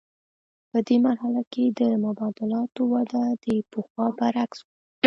په دې مرحله کې د مبادلاتو وده د پخوا برعکس وه